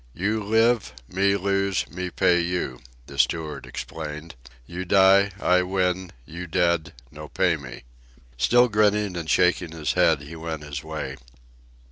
"You live, me lose, me pay you," the steward explained. "You die, I win, you dead; no pay me." Still grinning and shaking his head, he went his way.